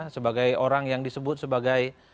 sebagai orang yang disebut sebagai